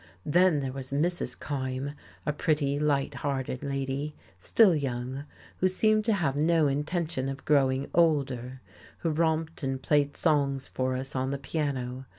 Then there was Mrs. Kyme, a pretty, light hearted lady, still young, who seemed to have no intention of growing older, who romped and played songs for us on the piano.